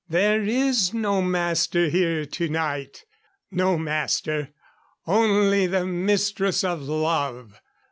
"There is no Master here tonight. No Master only the Mistress of Love.